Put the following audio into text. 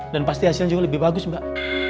dan pasti hasilnya juga lebih bagus mbak